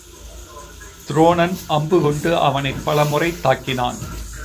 துரோணன் அம்பு கொண்டு அவனைப் பலமுறை தாக்கினான்.